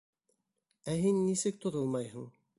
Ә һин нисек тотолмайһың?